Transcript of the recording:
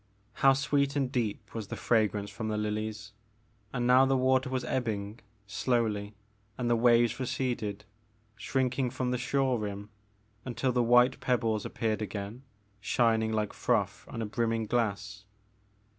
How sweet and deep was the fragrance from the lilies. And now the water was ebbing, slowly, and the waves receded, shrinking from the shore rim until the white pebbles appeared again, shining like froth on a brimming glass.